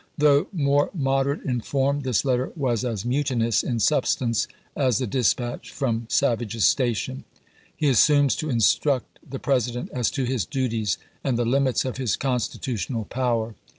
Though more moderate in form, this letter was as mutinous in substance as the dispatch from Sav age's Station. He assumes to instruct the President as to his duties and the limits of his constitutional power.